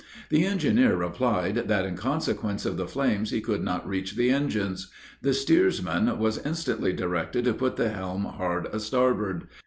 The engineer replied, that in consequence of the flames he could not reach the engine. The steersman was instantly directed to put the helm hard a starboard.